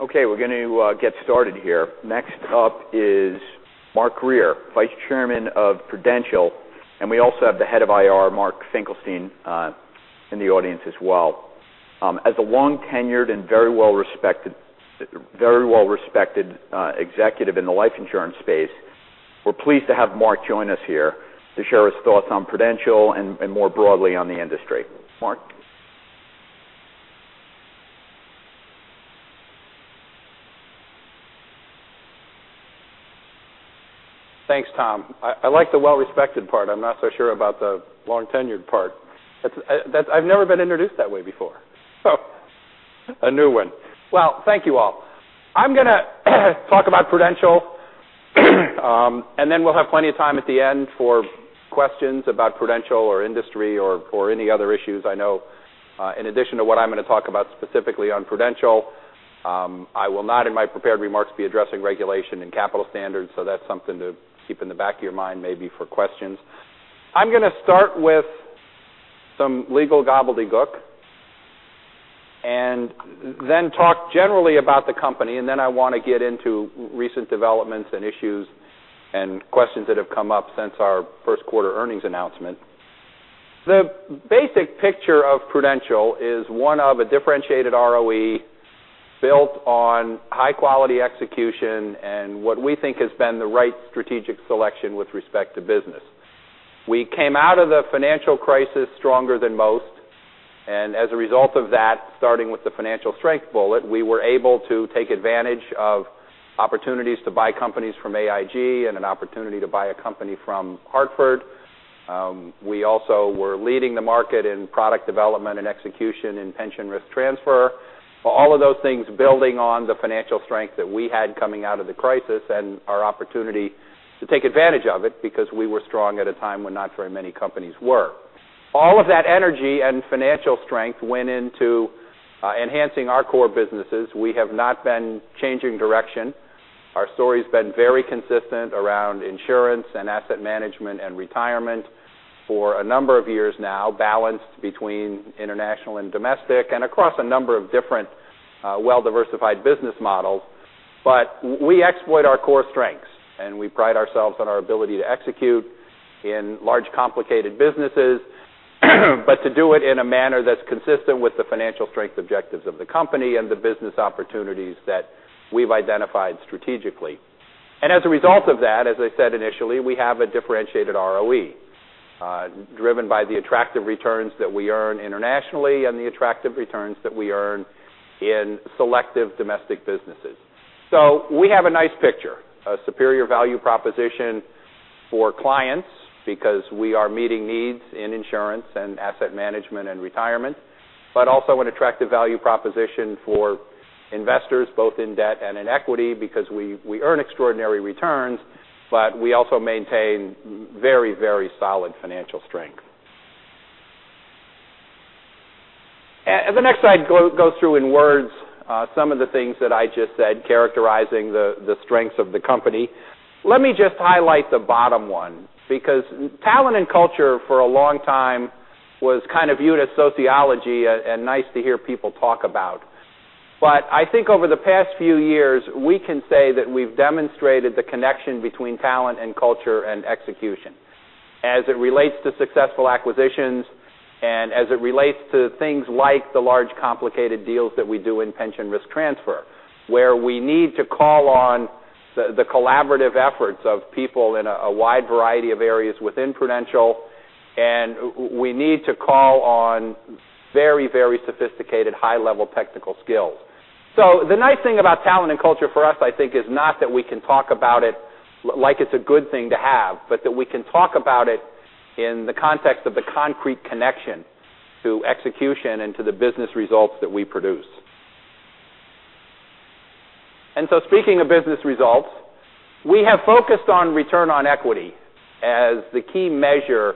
Okay, we're going to get started here. Next up is Mark Grier, Vice Chairman of Prudential, and we also have the Head of IR, Mark Finkelstein, in the audience as well. As a long tenured and very well-respected executive in the life insurance space, we're pleased to have Mark join us here to share his thoughts on Prudential and more broadly on the industry. Mark? Thanks, Tom. I like the well-respected part. I'm not so sure about the long tenured part. I've never been introduced that way before, so a new one. Well, thank you all. I'm going to talk about Prudential, and then we'll have plenty of time at the end for questions about Prudential or industry or any other issues I know in addition to what I'm going to talk about specifically on Prudential. I will not, in my prepared remarks, be addressing regulation and capital standards, so that's something to keep in the back of your mind, maybe for questions. I'm going to start with some legal gobbledygook and then talk generally about the company, and then I want to get into recent developments, issues, and questions that have come up since our first quarter earnings announcement. The basic picture of Prudential is one of a differentiated ROE built on high-quality execution and what we think has been the right strategic selection with respect to business. We came out of the financial crisis stronger than most, and as a result of that, starting with the financial strength bullet, we were able to take advantage of opportunities to buy companies from AIG and an opportunity to buy a company from Hartford. We also were leading the market in product development and execution in pension risk transfer. All of those things building on the financial strength that we had coming out of the crisis and our opportunity to take advantage of it because we were strong at a time when not very many companies were. All of that energy and financial strength went into enhancing our core businesses. We have not been changing direction. Our story has been very consistent around insurance, asset management, and retirement for a number of years now, balanced between international and domestic, and across a number of different well-diversified business models. We exploit our core strengths, and we pride ourselves on our ability to execute in large, complicated businesses, but to do it in a manner that's consistent with the financial strength objectives of the company and the business opportunities that we've identified strategically. As a result of that, as I said initially, we have a differentiated ROE driven by the attractive returns that we earn internationally and the attractive returns that we earn in selective domestic businesses. We have a nice picture, a superior value proposition for clients because we are meeting needs in insurance, asset management, and retirement. Also an attractive value proposition for investors both in debt and in equity because we earn extraordinary returns. We also maintain very solid financial strength. The next slide goes through in words some of the things that I just said, characterizing the strengths of the company. Let me just highlight the bottom one, because talent and culture for a long time was kind of viewed as sociology and nice to hear people talk about. I think over the past few years, we can say that we've demonstrated the connection between talent and culture and execution as it relates to successful acquisitions and as it relates to things like the large, complicated deals that we do in pension risk transfer, where we need to call on the collaborative efforts of people in a wide variety of areas within Prudential, and we need to call on very sophisticated high-level technical skills. The nice thing about talent and culture for us, I think, is not that we can talk about it like it's a good thing to have, but that we can talk about it in the context of the concrete connection to execution and to the business results that we produce. Speaking of business results, we have focused on return on equity as the key measure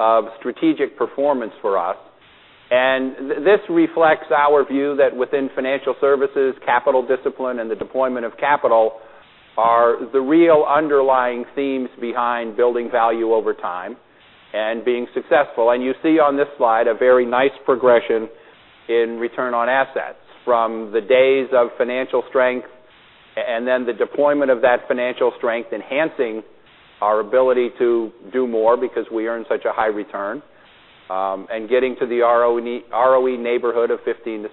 of strategic performance for us. This reflects our view that within financial services, capital discipline and the deployment of capital are the real underlying themes behind building value over time and being successful. You see on this slide a very nice progression in return on assets from the days of financial strength, and then the deployment of that financial strength enhancing our ability to do more because we earn such a high return, and getting to the ROE neighborhood of 15%-16%.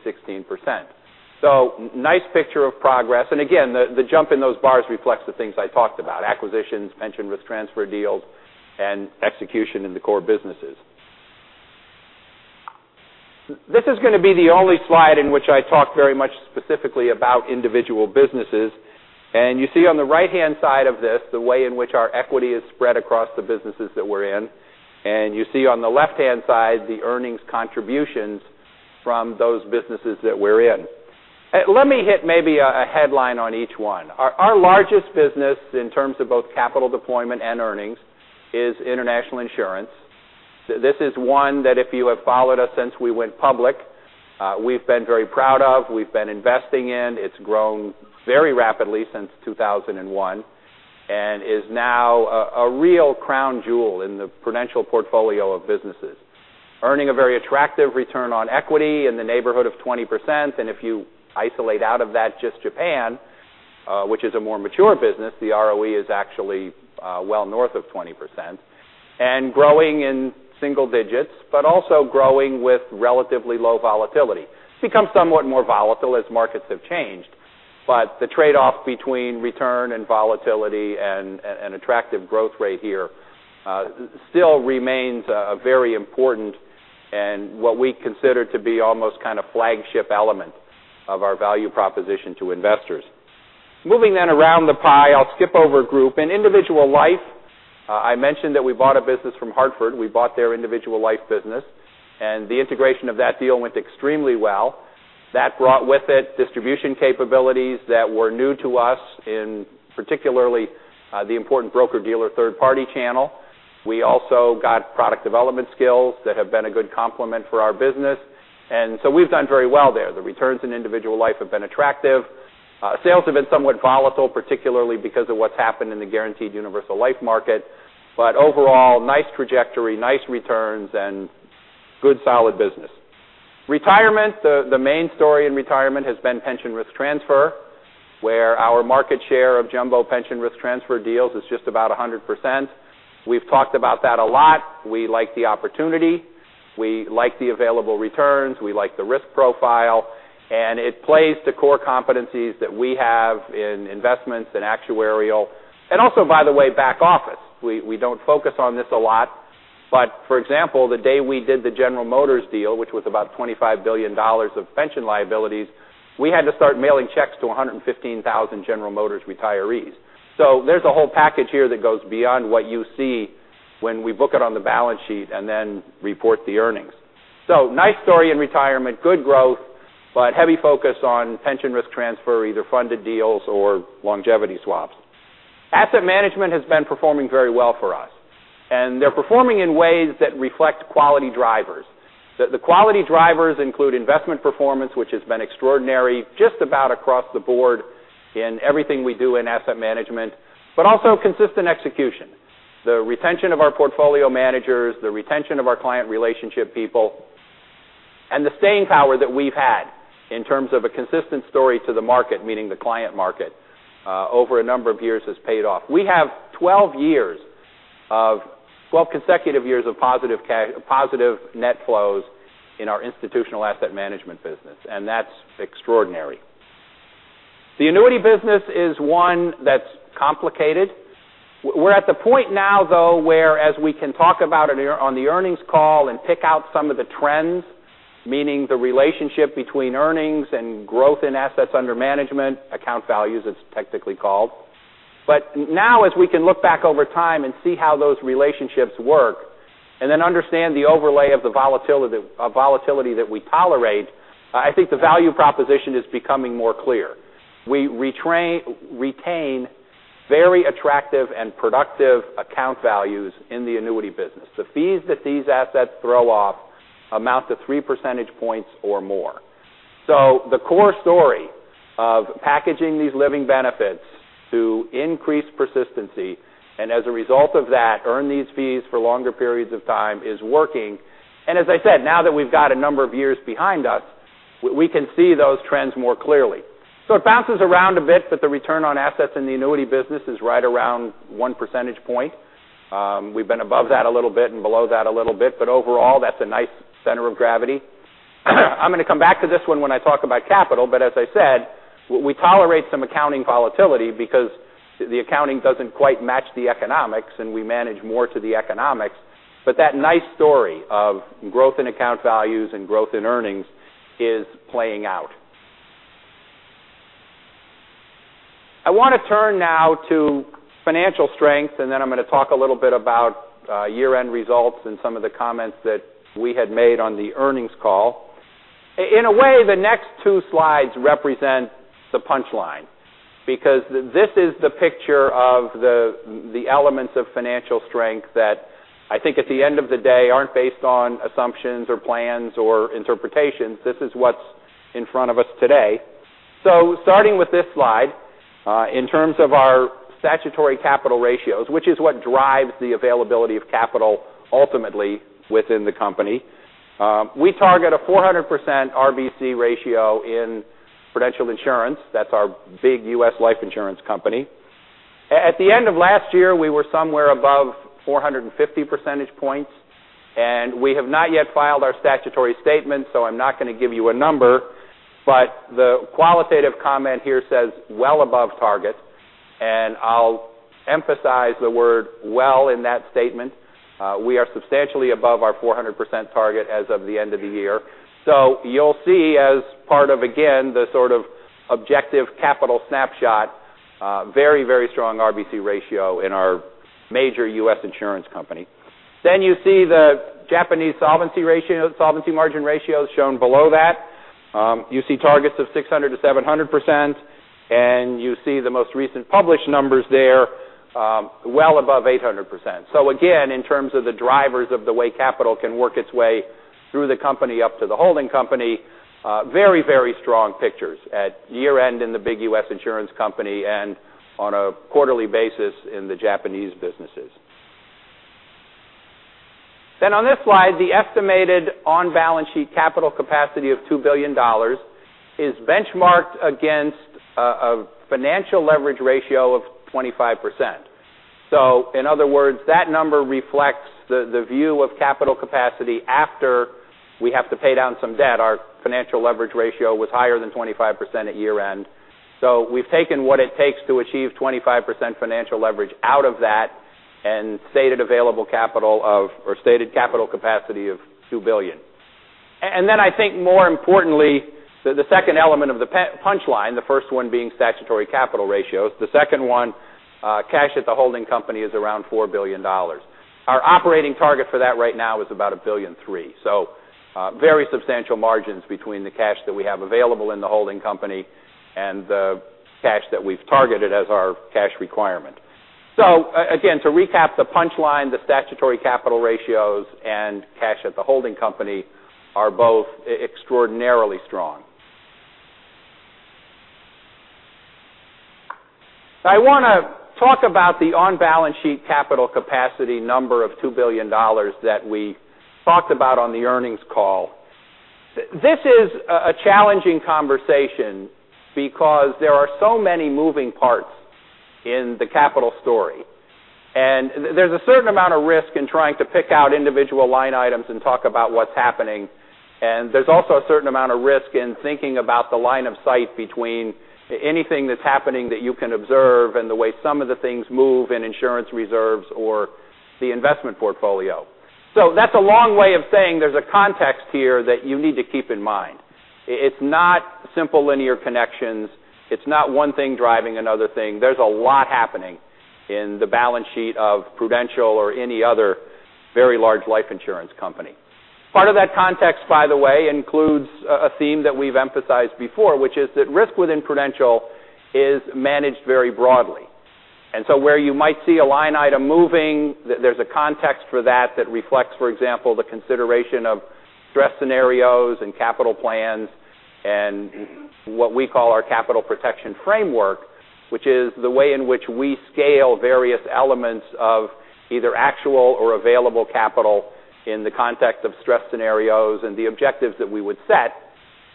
Nice picture of progress. Again, the jump in those bars reflects the things I talked about, acquisitions, pension risk transfer deals, and execution in the core businesses. This is going to be the only slide in which I talk very much specifically about individual businesses. You see on the right-hand side of this the way in which our equity is spread across the businesses that we're in. You see on the left-hand side the earnings contributions from those businesses that we're in. Let me hit maybe a headline on each one. Our largest business in terms of both capital deployment and earnings is international insurance. This is one that if you have followed us since we went public, we've been very proud of, we've been investing in. It's grown very rapidly since 2001 and is now a real crown jewel in the Prudential portfolio of businesses. Earning a very attractive return on equity in the neighborhood of 20%. If you isolate out of that just Japan, which is a more mature business, the ROE is actually well north of 20%. Growing in single digits, but also growing with relatively low volatility. Become somewhat more volatile as markets have changed, the trade-off between return and volatility and an attractive growth rate here still remains very important and what we consider to be almost kind of flagship element of our value proposition to investors. Moving around the pie, I'll skip over Group. In Individual Life, I mentioned that we bought a business from Hartford. We bought their Individual Life business, and the integration of that deal went extremely well. That brought with it distribution capabilities that were new to us in particularly the important broker-dealer third-party channel. We also got product development skills that have been a good complement for our business. We've done very well there. The returns in Individual Life have been attractive. Sales have been somewhat volatile, particularly because of what's happened in the guaranteed universal life market. Overall, nice trajectory, nice returns, and good solid business. Retirement, the main story in Retirement has been pension risk transfer, where our market share of jumbo pension risk transfer deals is just about 100%. We've talked about that a lot. We like the opportunity. We like the available returns. We like the risk profile. It plays to core competencies that we have in investments and actuarial, and also, by the way, back office. We don't focus on this a lot, but for example, the day we did the General Motors deal, which was about $25 billion of pension liabilities, we had to start mailing checks to 115,000 General Motors retirees. There's a whole package here that goes beyond what you see when we book it on the balance sheet and report the earnings. Nice story in Retirement, good growth, but heavy focus on pension risk transfer, either funded deals or longevity swaps. Asset management has been performing very well for us, and they're performing in ways that reflect quality drivers. The quality drivers include investment performance, which has been extraordinary just about across the board in everything we do in Asset Management, but also consistent execution. The retention of our portfolio managers, the retention of our client relationship people, and the staying power that we've had in terms of a consistent story to the market, meaning the client market, over a number of years has paid off. We have 12 consecutive years of positive net flows in our institutional Asset Management business, and that's extraordinary. The annuity business is one that's complicated. We're at the point now, though, where as we can talk about it on the earnings call and pick out some of the trends, meaning the relationship between earnings and growth in assets under management, account values, it's technically called. Now as we can look back over time and see how those relationships work, and then understand the overlay of the volatility that we tolerate, I think the value proposition is becoming more clear. We retain very attractive and productive account values in the annuity business. The fees that these assets throw off amount to three percentage points or more. The core story of packaging these living benefits to increase persistency, and as a result of that, earn these fees for longer periods of time, is working. As I said, now that we've got a number of years behind us, we can see those trends more clearly. It bounces around a bit, the return on assets in the annuity business is right around one percentage point. We've been above that a little bit and below that a little bit, overall, that's a nice center of gravity. I'm going to come back to this one when I talk about capital, as I said, we tolerate some accounting volatility because the accounting doesn't quite match the economics, and we manage more to the economics. That nice story of growth in account values and growth in earnings is playing out. I want to turn now to financial strength, I'm going to talk a little bit about year-end results and some of the comments that we had made on the earnings call. In a way, the next two slides represent the punchline because this is the picture of the elements of financial strength that I think at the end of the day, aren't based on assumptions or plans or interpretations. This is what's in front of us today. Starting with this slide, in terms of our statutory capital ratios, which is what drives the availability of capital ultimately within the company, we target a 400% RBC ratio in Prudential Insurance. That's our big U.S. life insurance company. At the end of last year, we were somewhere above 450 percentage points, we have not yet filed our statutory statement, I'm not going to give you a number. The qualitative comment here says, well above target, and I'll emphasize the word well in that statement. We are substantially above our 400% target as of the end of the year. You'll see as part of, again, the sort of objective capital snapshot, very strong RBC ratio in our major U.S. insurance company. You see the Japanese solvency margin ratio shown below that. You see targets of 600%-700%, you see the most recent published numbers there, well above 800%. Again, in terms of the drivers of the way capital can work its way through the company up to the holding company Very strong pictures at year-end in the big U.S. insurance company and on a quarterly basis in the Japanese businesses. On this slide, the estimated on-balance sheet capital capacity of $2 billion is benchmarked against a financial leverage ratio of 25%. In other words, that number reflects the view of capital capacity after we have to pay down some debt. Our financial leverage ratio was higher than 25% at year-end. We've taken what it takes to achieve 25% financial leverage out of that and stated capital capacity of $2 billion. I think more importantly, the second element of the punch line, the first one being statutory capital ratios, the second one, cash at the holding company is around $4 billion. Our operating target for that right now is about $1.3 billion. Very substantial margins between the cash that we have available in the holding company and the cash that we've targeted as our cash requirement. Again, to recap the punch line, the statutory capital ratios and cash at the holding company are both extraordinarily strong. I want to talk about the on-balance sheet capital capacity number of $2 billion that we talked about on the earnings call. This is a challenging conversation because there are so many moving parts in the capital story, there's a certain amount of risk in trying to pick out individual line items and talk about what's happening. There's also a certain amount of risk in thinking about the line of sight between anything that's happening that you can observe and the way some of the things move in insurance reserves or the investment portfolio. That's a long way of saying there's a context here that you need to keep in mind. It's not simple linear connections. It's not one thing driving another thing. There's a lot happening in the balance sheet of Prudential or any other very large life insurance company. Part of that context, by the way, includes a theme that we've emphasized before, which is that risk within Prudential is managed very broadly. Where you might see a line item moving, there's a context for that that reflects, for example, the consideration of stress scenarios and capital plans and what we call our capital protection framework, which is the way in which we scale various elements of either actual or available capital in the context of stress scenarios and the objectives that we would set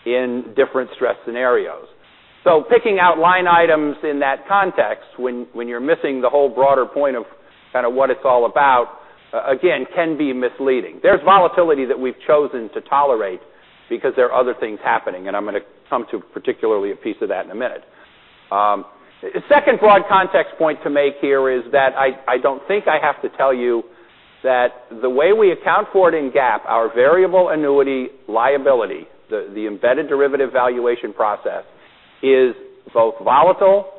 in different stress scenarios. Picking out line items in that context when you're missing the whole broader point of what it's all about, again, can be misleading. There's volatility that we've chosen to tolerate because there are other things happening, I'm going to come to particularly a piece of that in a minute. Second broad context point to make here is that I don't think I have to tell you that the way we account for it in GAAP, our variable annuity liability, the embedded derivative valuation process, is both volatile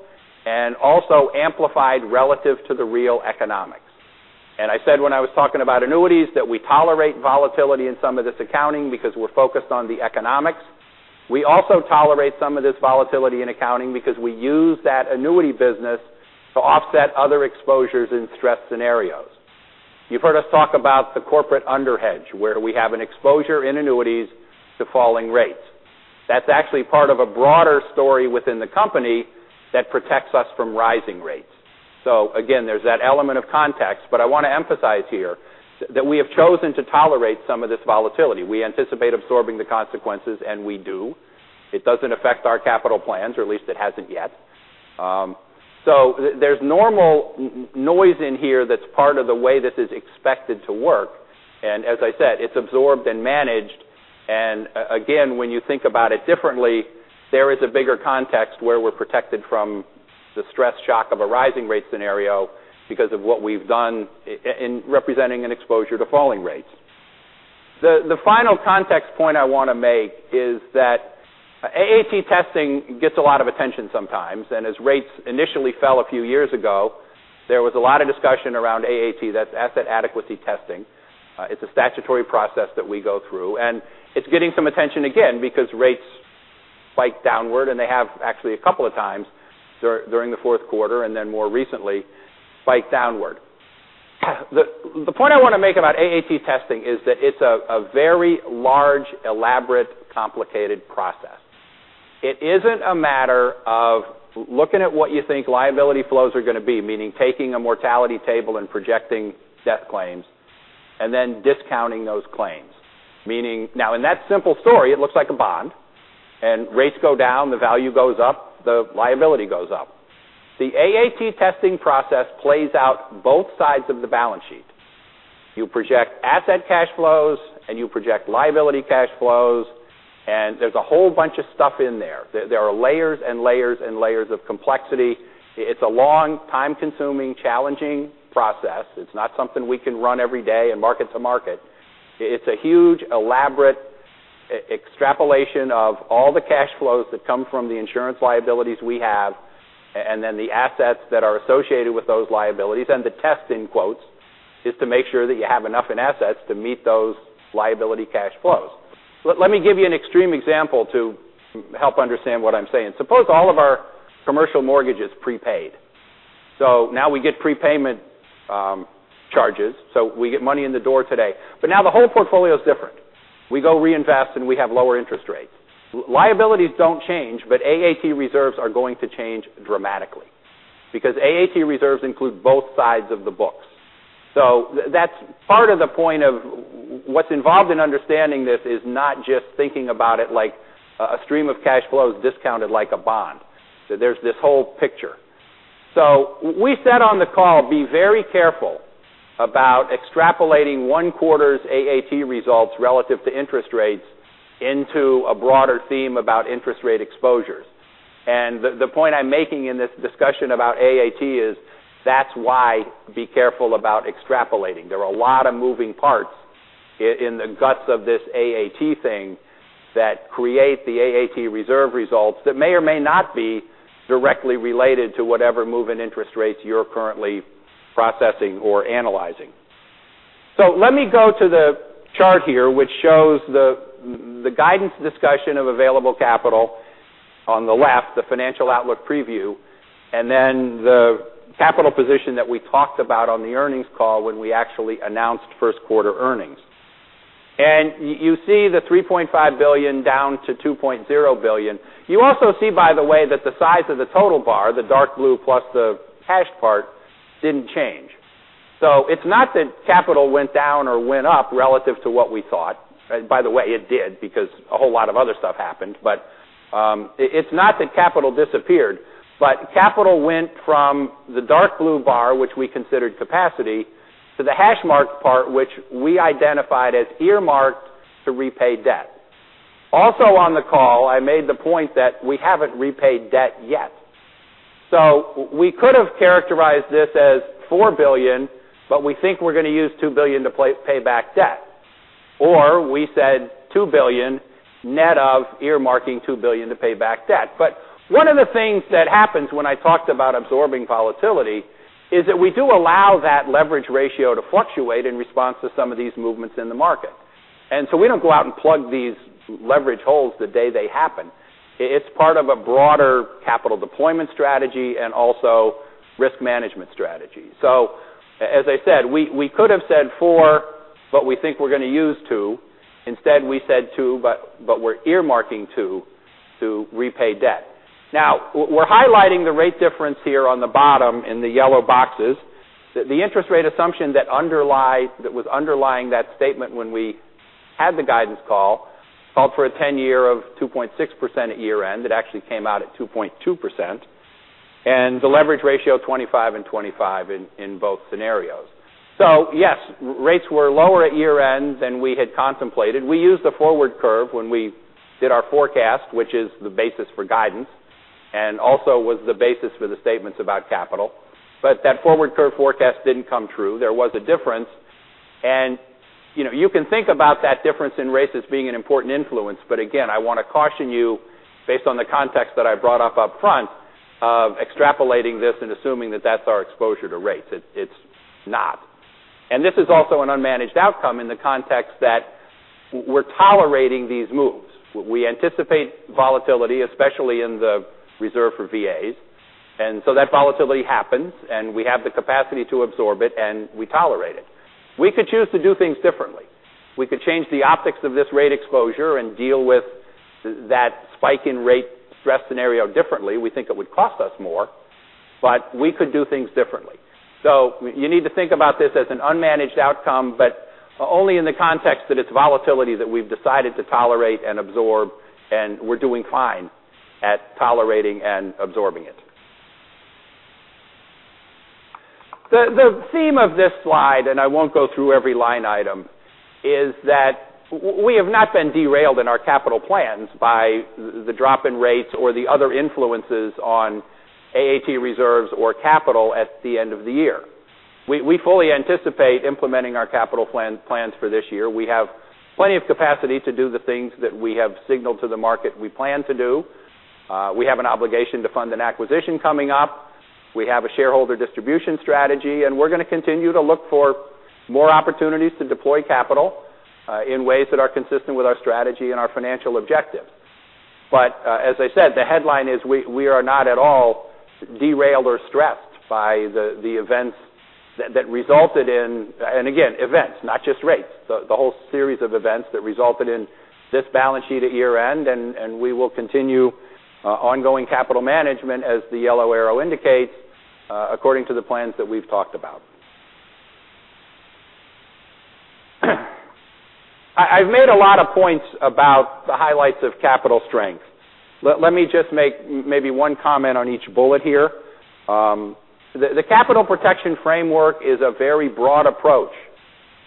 and also amplified relative to the real economics. I said when I was talking about annuities, that we tolerate volatility in some of this accounting because we're focused on the economics. We also tolerate some of this volatility in accounting because we use that annuity business to offset other exposures in stress scenarios. You've heard us talk about the corporate underhedge, where we have an exposure in annuities to falling rates. That's actually part of a broader story within the company that protects us from rising rates. Again, there's that element of context, I want to emphasize here that we have chosen to tolerate some of this volatility. We anticipate absorbing the consequences, and we do. It doesn't affect our capital plans, or at least it hasn't yet. There's normal noise in here that's part of the way this is expected to work. As I said, it's absorbed and managed. Again, when you think about it differently, there is a bigger context where we're protected from the stress shock of a rising rate scenario because of what we've done in representing an exposure to falling rates. The final context point I want to make is that AAT testing gets a lot of attention sometimes. As rates initially fell a few years ago, there was a lot of discussion around AAT. That's asset adequacy testing. It's a statutory process that we go through. It's getting some attention again because rates spike downward, and they have actually a couple of times during the fourth quarter and then more recently spiked downward. The point I want to make about AAT testing is that it's a very large, elaborate, complicated process. It isn't a matter of looking at what you think liability flows are going to be, meaning taking a mortality table and projecting death claims and then discounting those claims. Now in that simple story, it looks like a bond, and rates go down, the value goes up, the liability goes up. The AAT testing process plays out both sides of the balance sheet. You project asset cash flows, and you project liability cash flows, there's a whole bunch of stuff in there. There are layers and layers and layers of complexity. It's a long, time-consuming, challenging process. It's not something we can run every day and market to market. It's a huge, elaborate extrapolation of all the cash flows that come from the insurance liabilities we have and then the assets that are associated with those liabilities. The test, in quotes, is to make sure that you have enough in assets to meet those liability cash flows. Let me give you an extreme example to help understand what I'm saying. Suppose all of our commercial mortgages prepaid. Now we get prepayment charges. We get money in the door today. Now the whole portfolio is different. We go reinvest, and we have lower interest rates. Liabilities don't change, but AAT reserves are going to change dramatically because AAT reserves include both sides of the books. That's part of the point of what's involved in understanding this, is not just thinking about it like a stream of cash flows discounted like a bond. There's this whole picture. We said on the call, be very careful about extrapolating one quarter's AAT results relative to interest rates into a broader theme about interest rate exposures. The point I'm making in this discussion about AAT is that's why be careful about extrapolating. There are a lot of moving parts in the guts of this AAT thing that create the AAT reserve results that may or may not be directly related to whatever move in interest rates you're currently processing or analyzing. Let me go to the chart here, which shows the guidance discussion of available capital on the left, the financial outlook preview, and then the capital position that we talked about on the earnings call when we actually announced first quarter earnings. You see the $3.5 billion down to $2.0 billion. You also see, by the way, that the size of the total bar, the dark blue plus the hashed part, didn't change. It's not that capital went down or went up relative to what we thought. By the way, it did, because a whole lot of other stuff happened. It's not that capital disappeared. Capital went from the dark blue bar, which we considered capacity, to the hash marked part, which we identified as earmarked to repay debt. Also on the call, I made the point that we haven't repaid debt yet. We could have characterized this as $4 billion, but we think we're going to use $2 billion to pay back debt. We said $2 billion net of earmarking $2 billion to pay back debt. One of the things that happens when I talked about absorbing volatility is that we do allow that leverage ratio to fluctuate in response to some of these movements in the market. We don't go out and plug these leverage holes the day they happen. It's part of a broader capital deployment strategy and also risk management strategy. As I said, we could have said four, but we think we're going to use two. Instead we said two, but we're earmarking two to repay debt. We're highlighting the rate difference here on the bottom in the yellow boxes. The interest rate assumption that was underlying that statement when we had the guidance call called for a 10-year of 2.6% at year-end. It actually came out at 2.2%. The leverage ratio, 25 and 25 in both scenarios. Yes, rates were lower at year-end than we had contemplated. We used a forward curve when we did our forecast, which is the basis for guidance and also was the basis for the statements about capital. That forward curve forecast didn't come true. There was a difference. You can think about that difference in rates as being an important influence. Again, I want to caution you, based on the context that I brought up upfront, extrapolating this and assuming that that's our exposure to rates. It's not. This is also an unmanaged outcome in the context that we're tolerating these moves. We anticipate volatility, especially in the reserve for VAs. That volatility happens, and we have the capacity to absorb it, and we tolerate it. We could choose to do things differently. We could change the optics of this rate exposure and deal with that spike in rate stress scenario differently. We think it would cost us more, but we could do things differently. You need to think about this as an unmanaged outcome, but only in the context that it's volatility that we've decided to tolerate and absorb, and we're doing fine at tolerating and absorbing it. The theme of this slide, and I won't go through every line item, is that we have not been derailed in our capital plans by the drop in rates or the other influences on AAT reserves or capital at the end of the year. We fully anticipate implementing our capital plans for this year. We have plenty of capacity to do the things that we have signaled to the market we plan to do. We have an obligation to fund an acquisition coming up. We have a shareholder distribution strategy, and we're going to continue to look for more opportunities to deploy capital in ways that are consistent with our strategy and our financial objectives. As I said, the headline is we are not at all derailed or stressed by the events that resulted in, and again, events, not just rates, the whole series of events that resulted in this balance sheet at year-end. We will continue ongoing capital management, as the yellow arrow indicates, according to the plans that we've talked about. I've made a lot of points about the highlights of capital strength. Let me just make maybe one comment on each bullet here. The Capital Protection Framework is a very broad approach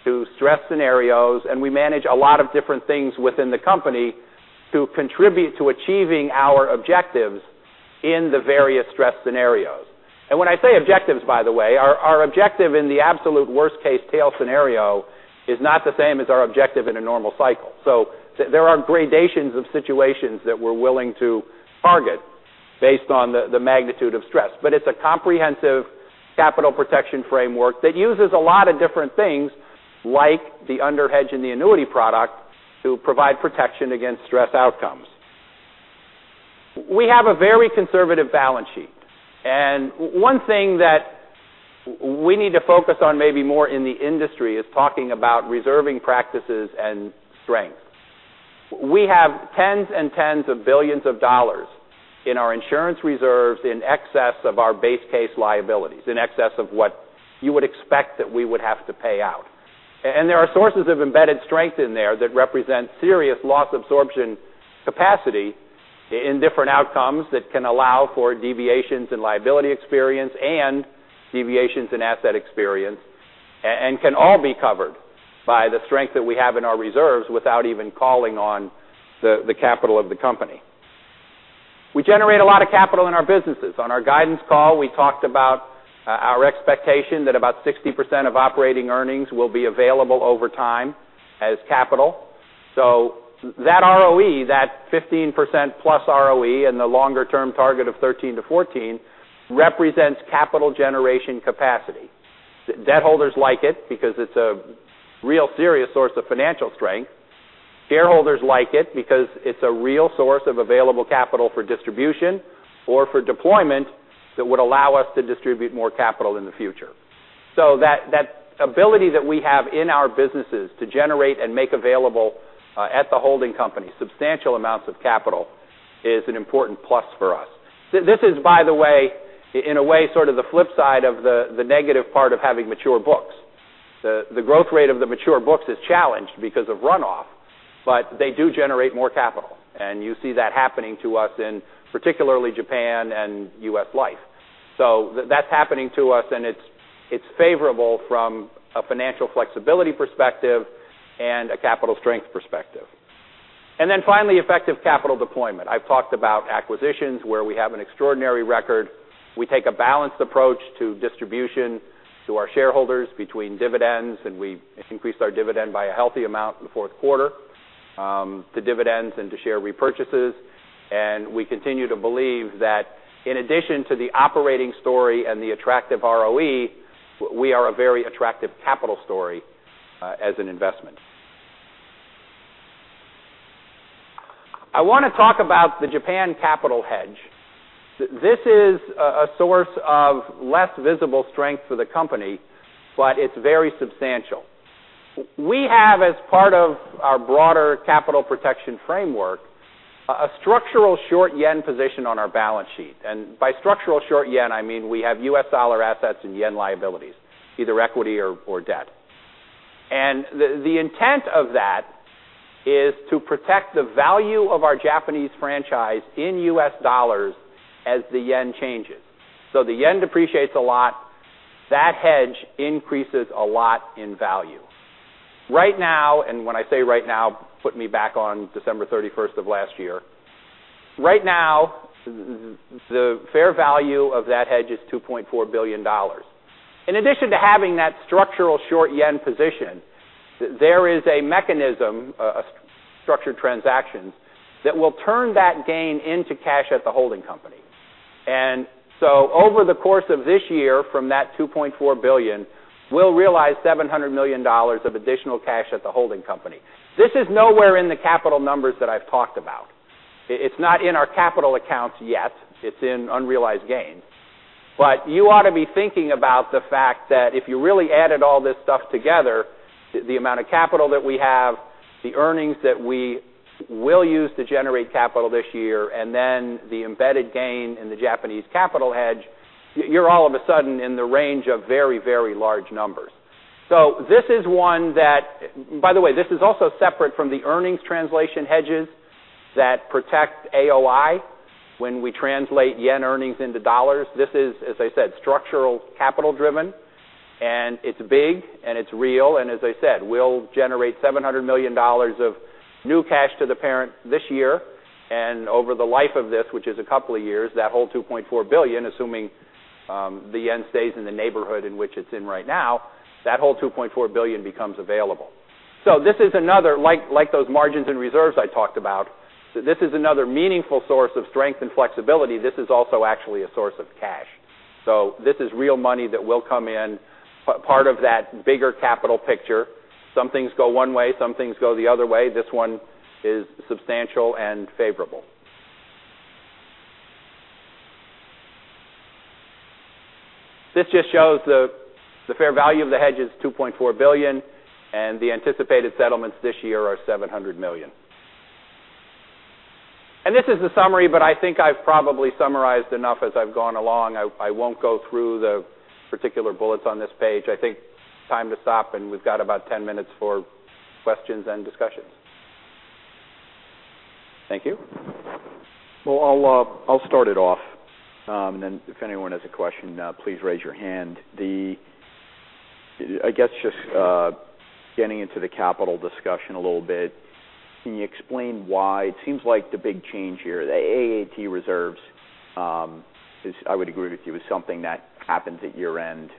to stress scenarios, and we manage a lot of different things within the company to contribute to achieving our objectives in the various stress scenarios. When I say objectives, by the way, our objective in the absolute worst-case tail scenario is not the same as our objective in a normal cycle. There are gradations of situations that we're willing to target based on the magnitude of stress. It's a comprehensive Capital Protection Framework that uses a lot of different things like the underhedge and the annuity product to provide protection against stress outcomes. We have a very conservative balance sheet. One thing that we need to focus on maybe more in the industry is talking about reserving practices and strength. We have tens and tens of billions of dollars in our insurance reserves in excess of our base case liabilities, in excess of what you would expect that we would have to pay out. There are sources of embedded strength in there that represent serious loss absorption capacity in different outcomes that can allow for deviations in liability experience and deviations in asset experience, and can all be covered by the strength that we have in our reserves without even calling on the capital of the company. We generate a lot of capital in our businesses. On our guidance call, we talked about our expectation that about 60% of operating earnings will be available over time as capital. That ROE, that 15% plus ROE and the longer-term target of 13 to 14, represents capital generation capacity. Debtholders like it because it's a real serious source of financial strength. Shareholders like it because it's a real source of available capital for distribution or for deployment that would allow us to distribute more capital in the future. That ability that we have in our businesses to generate and make available, at the holding company, substantial amounts of capital is an important plus for us. This is, by the way, in a way, sort of the flip side of the negative part of having mature books. The growth rate of the mature books is challenged because of runoff, but they do generate more capital, and you see that happening to us in particularly Japan and U.S. Life. That's happening to us, and it's favorable from a financial flexibility perspective and a capital strength perspective. Finally, effective capital deployment. I've talked about acquisitions where we have an extraordinary record. We take a balanced approach to distribution to our shareholders between dividends, and we increased our dividend by a healthy amount in the fourth quarter, to dividends and to share repurchases. We continue to believe that in addition to the operating story and the attractive ROE, we are a very attractive capital story as an investment. I want to talk about the Japan capital hedge. This is a source of less visible strength for the company, but it's very substantial. We have, as part of our broader capital protection framework, a structural short JPY position on our balance sheet. By structural short JPY, I mean we have US dollar assets and JPY liabilities, either equity or debt. The intent of that is to protect the value of our Japanese franchise in US dollars as the JPY changes. The JPY depreciates a lot, that hedge increases a lot in value. Right now, and when I say right now, put me back on December 31st of last year. Right now, the fair value of that hedge is $2.4 billion. In addition to having that structural short JPY position, there is a mechanism, a structured transaction, that will turn that gain into cash at the holding company. Over the course of this year, from that $2.4 billion, we'll realize $700 million of additional cash at the holding company. This is nowhere in the capital numbers that I've talked about. It's not in our capital accounts yet. It's in unrealized gain. You ought to be thinking about the fact that if you really added all this stuff together, the amount of capital that we have, the earnings that we will use to generate capital this year, and then the embedded gain in the Japanese capital hedge, you're all of a sudden in the range of very, very large numbers. This is also separate from the earnings translation hedges that protect AOI when we translate JPY earnings into dollars. This is, as I said, structural capital driven, it's big and it's real, as I said, we'll generate $700 million of new cash to the parent this year and over the life of this, which is a couple of years, that whole $2.4 billion, assuming the JPY stays in the neighborhood in which it's in right now, that whole $2.4 billion becomes available. This is another, like those margins and reserves I talked about, this is another meaningful source of strength and flexibility. This is also actually a source of cash. This is real money that will come in part of that bigger capital picture. Some things go one way, some things go the other way. This one is substantial and favorable. This just shows the fair value of the hedge is $2.4 billion, and the anticipated settlements this year are $700 million. This is a summary, but I think I've probably summarized enough as I've gone along. I won't go through the particular bullets on this page. I think time to stop. We've got about 10 minutes for questions and discussions. Thank you. I'll start it off, and then if anyone has a question, please raise your hand. Just getting into the capital discussion a little bit, can you explain why it seems like the big change here, the AAT reserves, I would agree with you, is something that happens at year-end.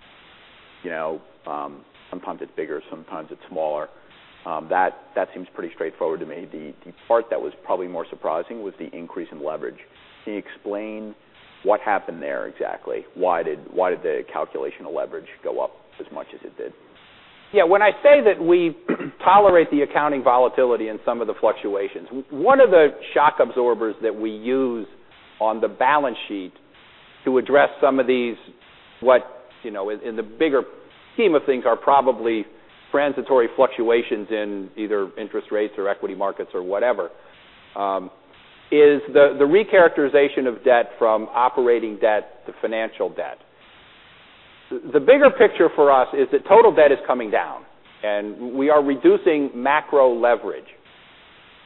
Sometimes it's bigger, sometimes it's smaller. That seems pretty straightforward to me. The part that was probably more surprising was the increase in leverage. Can you explain what happened there exactly? Why did the calculational leverage go up as much as it did? When I say that we tolerate the accounting volatility and some of the fluctuations, one of the shock absorbers that we use on the balance sheet to address some of these, what in the bigger scheme of things are probably transitory fluctuations in either interest rates or equity markets or whatever, is the recharacterization of debt from operating debt to financial debt. The bigger picture for us is that total debt is coming down, and we are reducing macro leverage.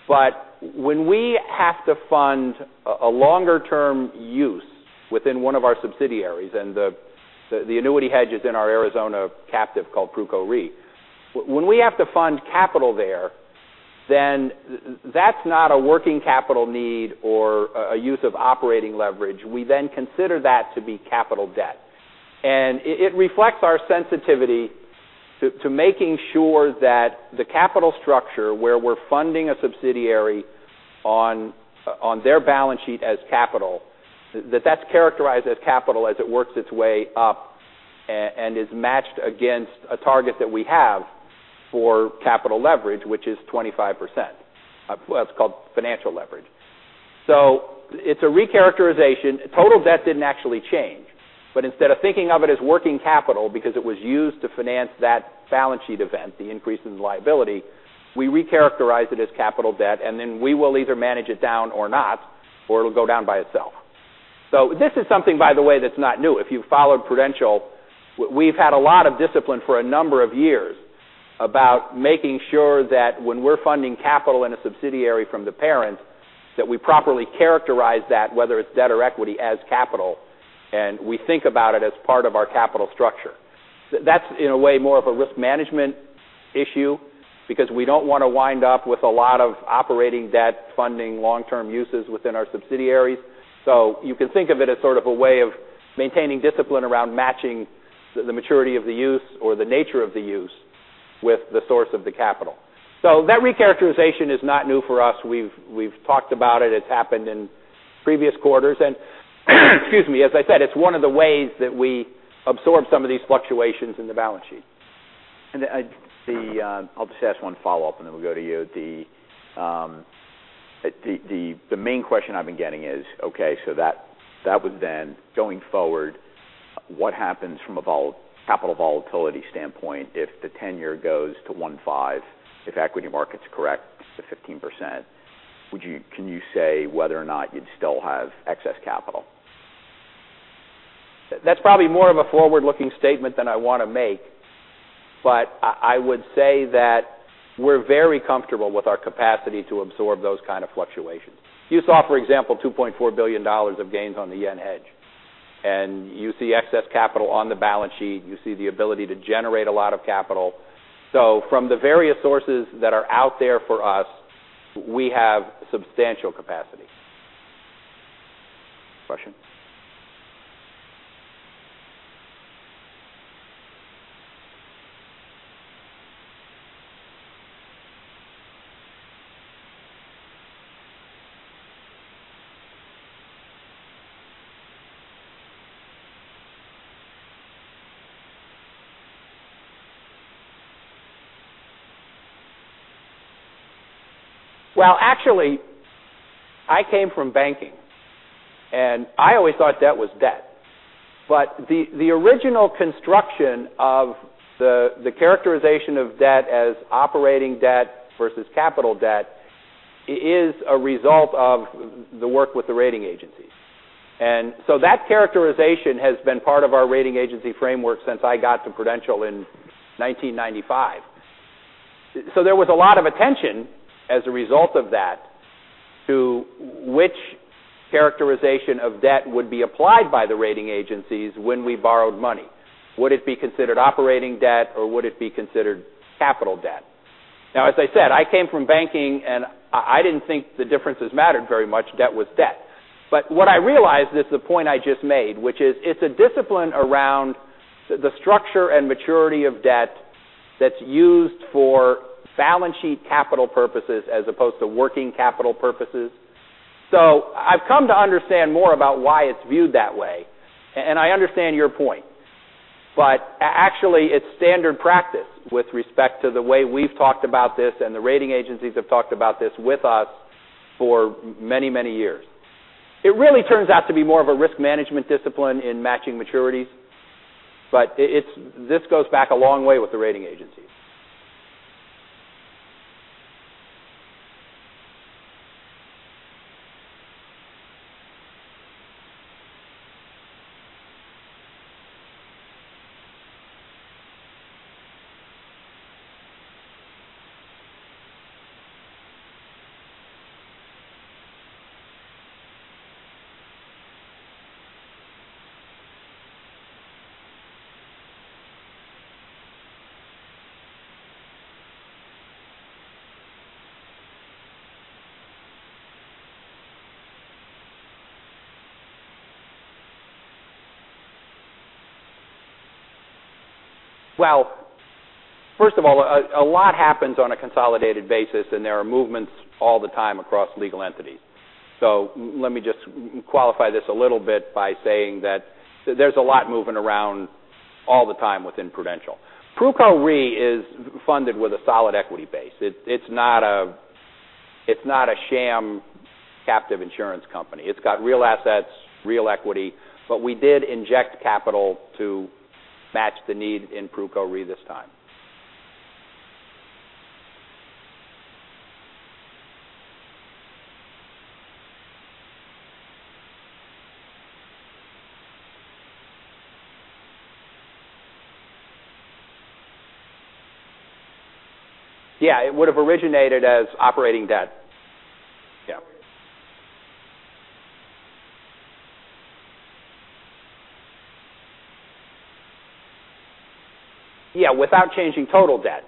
When we have to fund a longer-term use within one of our subsidiaries, and the annuity hedge is in our Arizona captive called Pruco Re, when we have to fund capital there, that's not a working capital need or a use of operating leverage. We consider that to be capital debt. It reflects our sensitivity to making sure that the capital structure where we're funding a subsidiary on their balance sheet as capital, that that's characterized as capital as it works its way up and is matched against a target that we have for capital leverage, which is 25%. That's called financial leverage. It's a recharacterization. Total debt didn't actually change, instead of thinking of it as working capital because it was used to finance that balance sheet event, the increase in liability, we recharacterize it as capital debt, and we will either manage it down or not, or it'll go down by itself. This is something, by the way, that's not new. If you've followed Prudential, we've had a lot of discipline for a number of years about making sure that when we're funding capital in a subsidiary from the parent, that we properly characterize that, whether it's debt or equity, as capital, and we think about it as part of our capital structure. That's in a way more of a risk management issue because we don't want to wind up with a lot of operating debt funding long-term uses within our subsidiaries. You can think of it as sort of a way of maintaining discipline around matching the maturity of the use or the nature of the use with the source of the capital. That recharacterization is not new for us. We've talked about it. It's happened in previous quarters, and as I said, it's one of the ways that we absorb some of these fluctuations in the balance sheet. I'll just ask one follow-up, and then we'll go to you. The main question I've been getting is, okay, so that would then going forward, what happens from a capital volatility standpoint if the 10-year goes to 15, if equity markets correct to 15%? Can you say whether or not you'd still have excess capital? That's probably more of a forward-looking statement than I want to make, but I would say that we're very comfortable with our capacity to absorb those kind of fluctuations. You saw, for example, $2.4 billion of gains on the JPY hedge, and you see excess capital on the balance sheet. You see the ability to generate a lot of capital. From the various sources that are out there for us, we have substantial capacity. Question? Well, actually, I came from banking, and I always thought debt was debt. The original construction of the characterization of debt as operating debt versus capital debt is a result of the work with the rating agencies. That characterization has been part of our rating agency framework since I got to Prudential in 1995. There was a lot of attention as a result of that to which characterization of debt would be applied by the rating agencies when we borrowed money. Would it be considered operating debt, or would it be considered capital debt? Now, as I said, I came from banking, and I didn't think the differences mattered very much. Debt was debt. What I realized is the point I just made, which is it's a discipline around the structure and maturity of debt that's used for balance sheet capital purposes as opposed to working capital purposes. I've come to understand more about why it's viewed that way, and I understand your point. Actually, it's standard practice with respect to the way we've talked about this and the rating agencies have talked about this with us for many, many years. It really turns out to be more of a risk management discipline in matching maturities, but this goes back a long way with the rating agencies. First of all, a lot happens on a consolidated basis, and there are movements all the time across legal entities. Let me just qualify this a little bit by saying that there's a lot moving around all the time within Prudential. Pruco Re is funded with a solid equity base. It's not a sham captive insurance company. It's got real assets, real equity, but we did inject capital to match the need in Pruco Re this time. It would have originated as operating debt. Without changing total debt.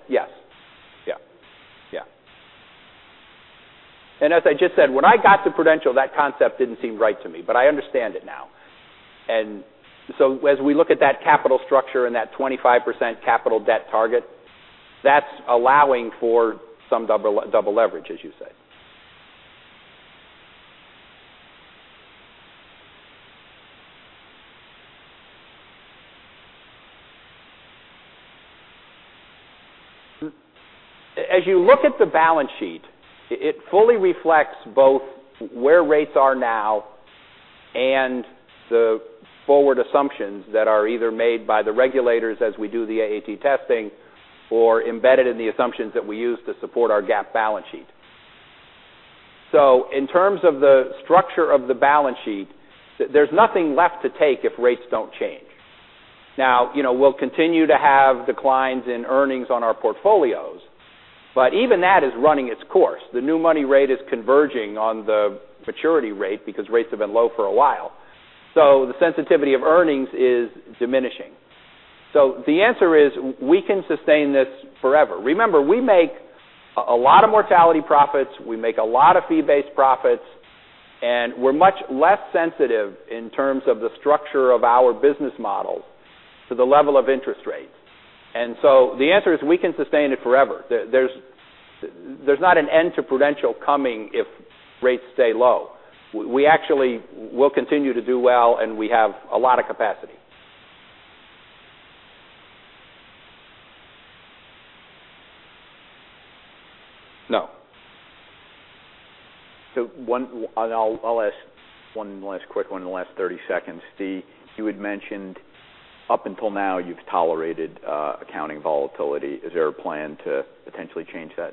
As I just said, when I got to Prudential, that concept didn't seem right to me, but I understand it now. As we look at that capital structure and that 25% capital debt target, that's allowing for some double leverage, as you say. As you look at the balance sheet, it fully reflects both where rates are now and the forward assumptions that are either made by the regulators as we do the AAT testing or embedded in the assumptions that we use to support our GAAP balance sheet. In terms of the structure of the balance sheet, there's nothing left to take if rates don't change. We'll continue to have declines in earnings on our portfolios, but even that is running its course. The new money rate is converging on the maturity rate because rates have been low for a while. The sensitivity of earnings is diminishing. The answer is we can sustain this forever. Remember, we make a lot of mortality profits, we make a lot of fee-based profits, and we're much less sensitive in terms of the structure of our business model to the level of interest rates. The answer is we can sustain it forever. There's not an end to Prudential coming if rates stay low. We actually will continue to do well, and we have a lot of capacity. No. I'll ask one last quick one in the last 30 seconds. You had mentioned up until now you've tolerated accounting volatility. Is there a plan to potentially change that?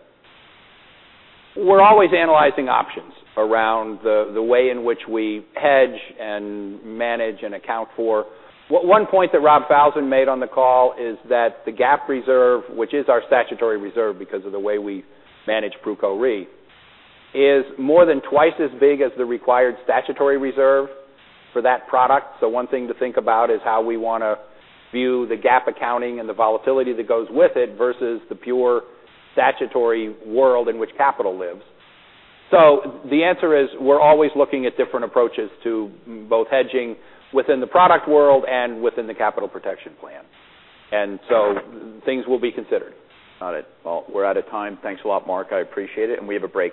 We're always analyzing options around the way in which we hedge and manage and account for. One point that Rob Falzon made on the call is that the GAAP reserve, which is our statutory reserve because of the way we manage Pruco Re, is more than twice as big as the required statutory reserve for that product. One thing to think about is how we want to view the GAAP accounting and the volatility that goes with it versus the pure statutory world in which capital lives. The answer is we're always looking at different approaches to both hedging within the product world and within the capital protection plan. Things will be considered. Got it. Well, we're out of time. Thanks a lot, Mark. I appreciate it. We have a break.